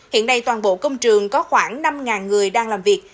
hiện nay toàn bộ công trường có khoảng năm người đang làm việc